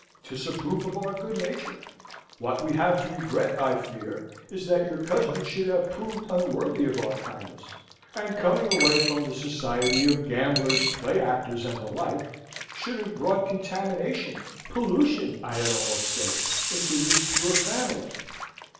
'Tis a proof of our good nature. What we have to regret, I fear, is, that your cousin should have proved unworthy of our kindness, and, coming away from the society of gamblers, play actors, and the like, should have brought contamination pollution, I had almost said into this pure family!"